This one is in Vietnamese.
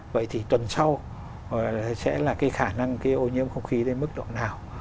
vậy thì tuần sau sẽ là cái khả năng cái ô nhiễm không khí đến mức độ nào